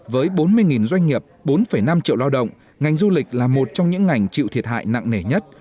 với bốn mươi doanh nghiệp bốn năm triệu lao động ngành du lịch là một trong những ngành chịu thiệt hại nặng nề nhất